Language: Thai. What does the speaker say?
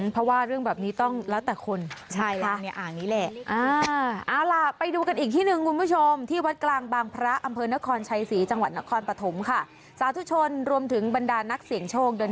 เพราะว่าเรื่องแบบนี้ต้องแล้วแต่คน